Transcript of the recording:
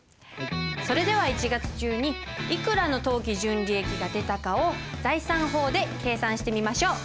それでは１月中にいくらの当期純利益が出たかを財産法で計算してみましょう。